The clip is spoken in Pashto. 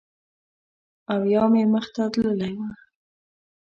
او یا مې مخ ته تللی و